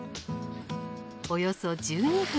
およそ１２分。